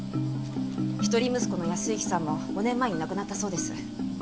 一人息子の靖之さんも５年前に亡くなったそうです。